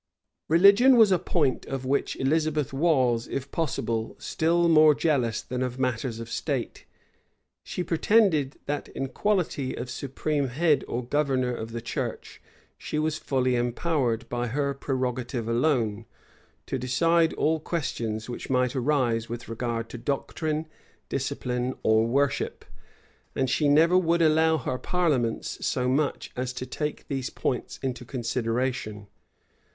[*] Religion was a point of which Elizabeth was, if possible, still more jealous than of matters of state. She pretended, that in quality of supreme head or governor of the church, she was fully empowered, by her prerogative alone, to decide all questions which might arise with regard to doctrine, discipline, or worship; and she never would allow her parliaments so much as to take these points into consideration.